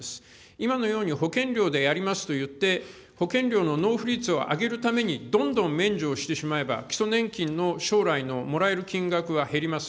今のように保険料でやりますと言って、保険料の納付率を上げるために、どんどん免除をしてしまえば、基礎年金の将来のもらえる金額は減ります。